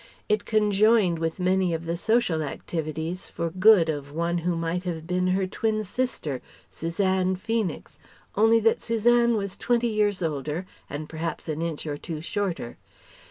It conjoined with many of the social activities for good of one who might have been her twin sister Suzanne Feenix only that Suzanne was twenty years older and perhaps an inch or two shorter.